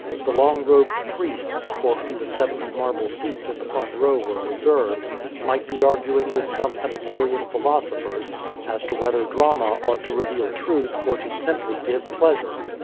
The long robed priests, for whom the seventy marble seats in the front row were reserved, might be arguing with some Epicurean philosophers as to whether drama ought to reveal truth or should simply give pleasure.